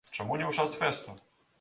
Чаму не ў час фэсту?!